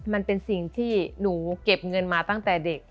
มันเป็นสิ่งที่หนูเก็บเงินมาตั้งแต่เด็ก